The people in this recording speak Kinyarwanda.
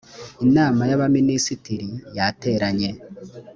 inama y ‘abaminisitiri yateranye .